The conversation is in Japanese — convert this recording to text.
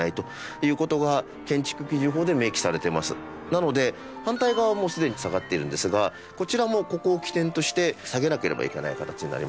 なので反対側はもうすでに下がっているんですがこちらもここを基点として下げなければいけない形になります。